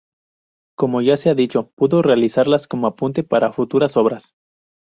Como ya se ha dicho, pudo realizarlas como apunte para futuras obras.